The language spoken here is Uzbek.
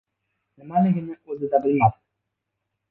Nimaligini o‘zida bilmadi.